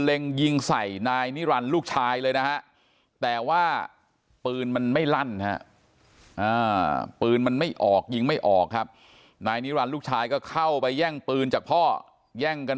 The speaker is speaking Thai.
เล็งยิงใส่นายนิรันดิ์ลูกชายเลยนะแต่ว่าปืนมันไม่ลั่นนนะ